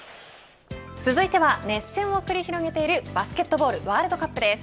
続いては熱戦を繰り広げているバスケットボールワールドカップです。